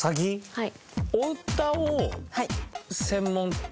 はい。